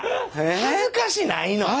恥ずかしないの？え？